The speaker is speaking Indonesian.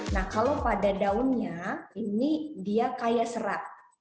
nah kalau pada daunnya ini dia kaya serat